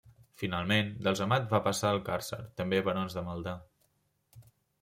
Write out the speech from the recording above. Finalment, dels Amat va passar als Càrcer, també barons de Maldà.